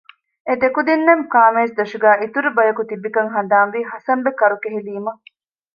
އެ ދެކުދިންނަށް ކާމޭޒުދޮށުގައި އިތުރު ބަޔަކު ތިބިކަން ހަނދާންވީ ހަސަންބެ ކަރުކެހިލީމަ